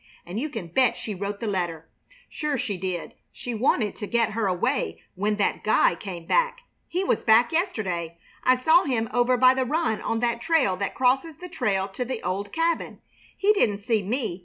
And you can bet she wrote the letter! Sure she did! She wanted to get her away when that guy came back. He was back yesterday. I saw him over by the run on that trail that crosses the trail to the old cabin. He didn't see me.